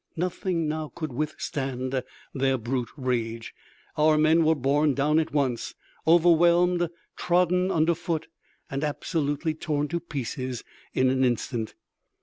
Nothing now could withstand their brute rage. Our men were borne down at once, overwhelmed, trodden under foot, and absolutely torn to pieces in an instant.